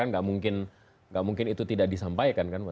nggak mungkin itu tidak disampaikan kan